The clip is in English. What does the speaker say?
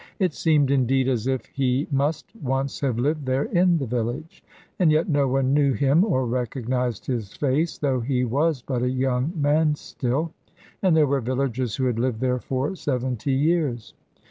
It seemed, indeed, as if he must once have lived there in the village, and yet no one knew him or recognised his face, though he was but a young man still, and there were villagers who had lived there for seventy years.